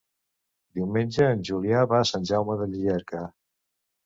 Diumenge en Julià va a Sant Jaume de Llierca.